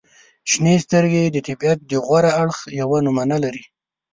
• شنې سترګې د طبیعت د غوره اړخ یوه نمونې لري.